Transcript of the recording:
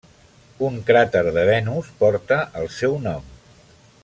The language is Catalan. Un cràter de Venus porta el seu nom.